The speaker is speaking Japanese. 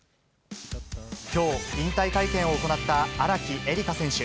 きょう、引退会見を行った荒木絵里香選手。